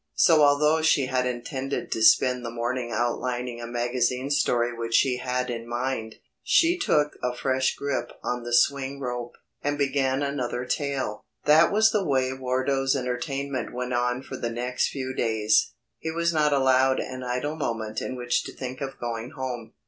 So although she had intended to spend the morning outlining a magazine story which she had in mind, she took a fresh grip on the swing rope, and began another tale. That was the way Wardo's entertainment went on for the next few days. He was not allowed an idle moment in which to think of going home.